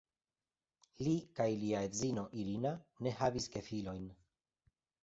Li kaj lia edzino "Irina" ne havis gefilojn.